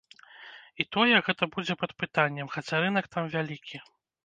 І тое, гэта будзе пад пытаннем, хаця рынак там вялікі.